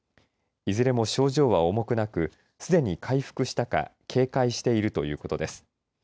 いずれも症状は重くなくすでに回復したか軽快しているということです。